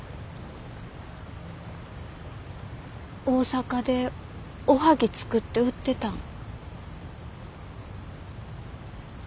大阪でおはぎ作って売ってたん。